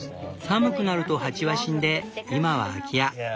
寒くなるとハチは死んで今は空き家。